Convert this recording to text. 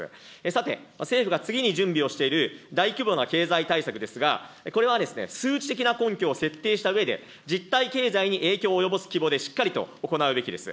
さて、政府が次に準備をしている大規模な経済対策ですが、これは数字的な根拠を設定したうえで、実体経済に影響を及ぼす規模でしっかりと行うべきです。